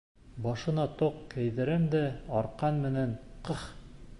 Башына тоҡ кейҙерәм дә арҡан менән, ҡых!